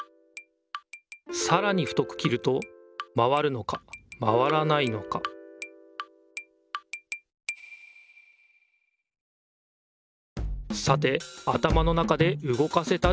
さらに太く切るとまわるのかまわらないのかさてあたまの中でうごかせたでしょうか。